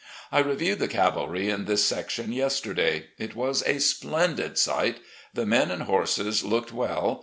I reviewed the cavalry in this section yes terday. It was a splendid sight. The men and horses looked well.